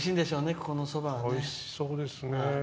ここのそばはね。